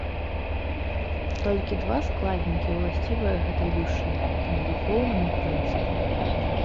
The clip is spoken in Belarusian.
Толькі два складнікі ўласцівыя гэтай душы, гэтаму духоўнаму прынцыпу.